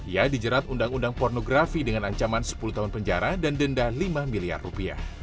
ia dijerat undang undang pornografi dengan ancaman sepuluh tahun penjara dan denda lima miliar rupiah